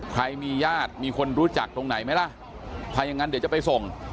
ใครมีญาติมีคนรู้จักตรงไหนไหมล่ะถ้ายังงั้นเดี๋ยวจะไปส่ง